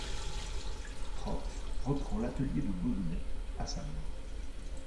Trautz reprend l'atelier de Bauzonnet à sa mort.